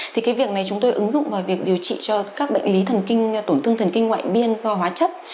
thì cái việc này chúng tôi ứng dụng vào việc điều trị cho các bệnh lý thần kinh tổn thương thần kinh ngoại biên do hóa chất